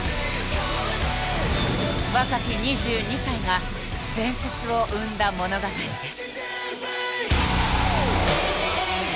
若き２２歳が「伝説」を生んだ物語です。